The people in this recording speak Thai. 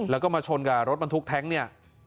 แล้วก็มาชนกับรถบรรทุกแท้งเนี่ย